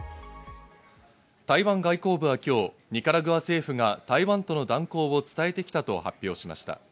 台湾外交部は今日ニカラグア政府が台湾との断交を伝えてきたと発表しました。